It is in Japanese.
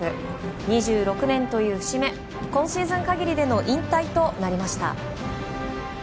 ２６年という節目今シーズン限りでの引退となりました。